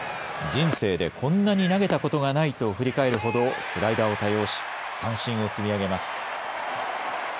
人生でこんなに投げたことがないと振り返るほどスライダーを多用し、三振を積み上げます。